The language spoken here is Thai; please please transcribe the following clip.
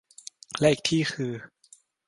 และอีกที่คือ